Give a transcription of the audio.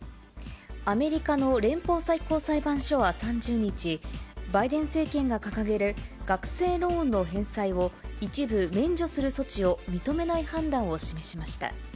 アメリカの連邦最高裁判所は３０日、バイデン政権が掲げる学生ローンの返済を、一部免除する措置を認めない判断を示しました。